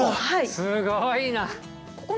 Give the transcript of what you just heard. すごいな。